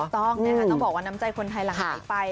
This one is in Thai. ต้องนะคะต้องบอกว่าน้ำใจคนไทยหลังไหลไป